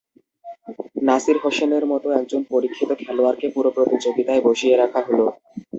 নাসির হোসেনের মতো একজন পরীক্ষিত খেলোয়াড়কে পুরো প্রতিযোগিতায় বসিয়ে রাখা হলো।